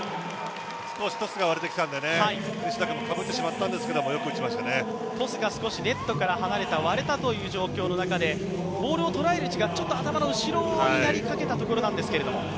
少しトスが割れてきたんで西田君にかぶってしまいましたがトスがネットから少し離れた、割れた状況の中でボールを捉える位置がちょっと頭の後ろになりかけところなんですけど。